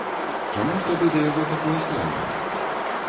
Чаму ж тады да яго такое стаўленне?